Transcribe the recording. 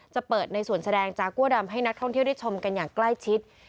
จะเปิดในส่วนแสดงจากัวดำให้นักท่องเที่ยวได้ชมกันอย่างใกล้ชิด